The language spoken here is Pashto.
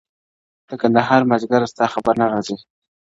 د کندهار ماځيگره، ستا خبر نه راځي